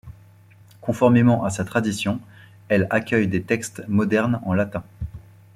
Conformément à sa tradition, elle accueille des textes modernes en latin.